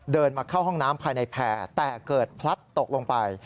เดินมาเข้าห้องน้ำภายในแพร่แต่เกิดพลัดตกลงไป